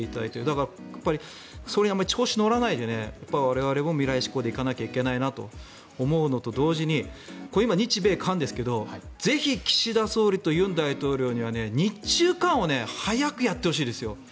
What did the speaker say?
だから、あまり調子に乗らないで我々も未来志向で行かなきゃいけないなと思うのと同時に今、日米韓ですがぜひ、岸田総理と尹大統領には日中韓を早くやってほしいですよ。